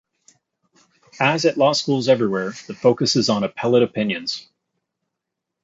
As at law schools everywhere, the focus is on appellate opinions.